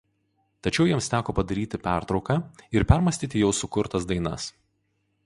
Tačiau jiems teko padaryti pertrauką ir permąstyti jau sukurtas dainas.